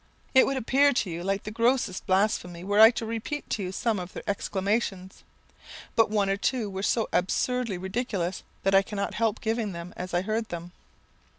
It would appear to you like the grossest blasphemy were I to repeat to you some of their exclamations; but one or two were so absurdly ridiculous, that I cannot help giving them as I heard them.